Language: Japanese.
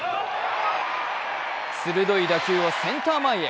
鋭い打球はセンター前へ。